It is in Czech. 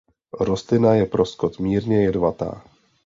Rostlina je pro skot mírně jedovatá.